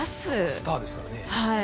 スターですからねはい